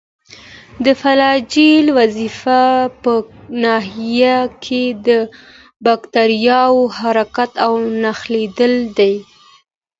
د فلاجیل وظیفه په ناحیه کې د باکتریاوو حرکت او نښلیدل دي.